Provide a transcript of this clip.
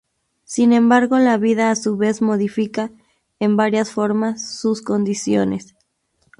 Sin embargo la vida a su vez modifica, en varias formas, sus condiciones.